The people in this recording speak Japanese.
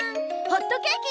ホットケーキ。